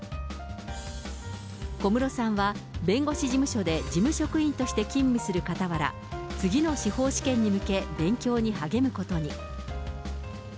小室さんは弁護士事務所で事務職員として勤務するかたわら、次の司法試験に向け、勉強に励むことに。